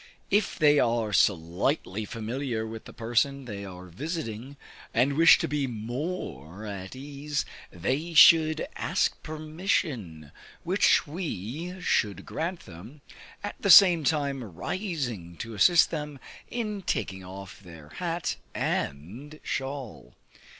If they are slightly familiar with the person they are visiting, and wish to be more at ease, they should ask permission, which we should grant them, at the same time rising to assist them in taking off their hat and shawl.